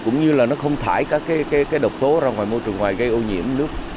cũng như là nó không thải các cái độc tố ra ngoài môi trường ngoài gây ô nhiễm nước